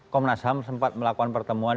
komnas ham sempat melakukan pertemuan